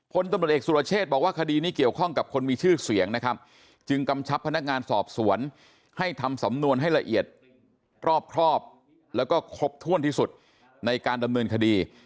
พลตำรวจเอกสุรเชษบอกว่าคดีนี้เกี่ยวข้องกับคนมีชื่อเสียงนะครับจึงกำชับพนักงานสอบสวนให้ทำสำนวนให้ละเอียดรอบครอบแล้วก็ครบถ้วนที่สุดในการดำเนินคดี